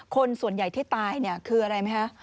คนส่วนใหญ่ที่ตายคืออะไรไหมฮะ